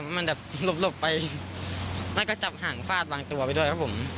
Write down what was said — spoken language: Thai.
มันแบบหลบไปแล้วก็จับหางฟาดบางตัวไปด้วยครับผม